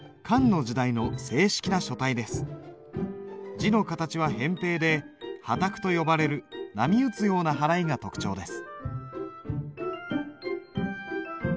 字の形は扁平で波磔と呼ばれる波打つようなはらいが特徴です。